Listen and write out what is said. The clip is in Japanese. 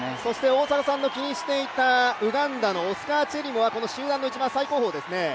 大迫さんの気にしていたウガンダのオスカー・チェリモは集団の一番最後方ですね。